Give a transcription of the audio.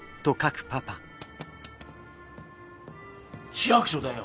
市役所だよ。